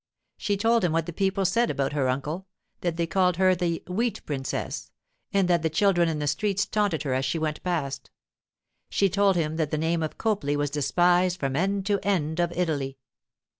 She told him what the people said about her uncle; that they called her the 'Wheat Princess'; and that the children in the streets taunted her as she went past. She told him that the name of Copley was despised from end to end of Italy.